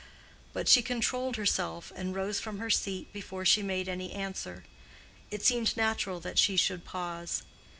But she controlled herself, and rose from her seat before she made any answer. It seemed natural that she should pause.